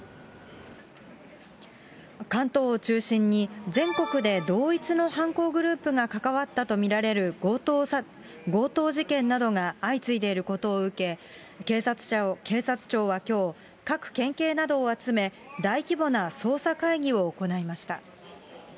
関東を中心に、全国で同一の犯行グループが関わったと見られる強盗事件などが相次いでいることを受け、警察庁はきょう、各県警などを集め、大規模な捜査会議を行いました。